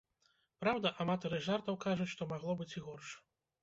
Праўда, аматары жартаў кажуць, што магло быць і горш.